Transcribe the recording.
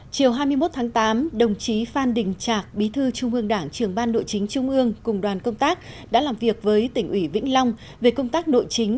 chiều hai mươi một tháng tám đồng chí phan đình trạc bí thư trung ương đảng trường ban nội chính trung ương cùng đoàn công tác đã làm việc với tỉnh ủy vĩnh long về công tác nội chính